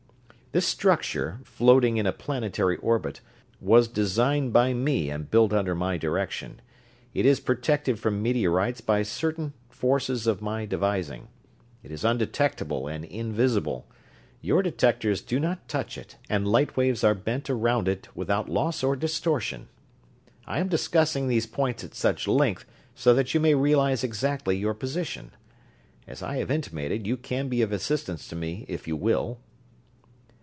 "This structure, floating in a planetary orbit, was designed by me and built under my direction. It is protected from meteorites by certain forces of my devising. It is undetectable and invisible your detectors do not touch it and light waves are bent around it without loss or distortion. I am discussing these points at such length so that you may realize exactly your position. As I have intimated, you can be of assistance to me if you will."